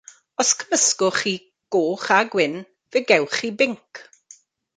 Os cymysgwch chi goch a gwyn fe gewch chi binc.